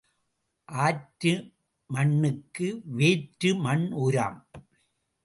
ஆற்று மண்ணுக்கு வேற்று மண் உரம்.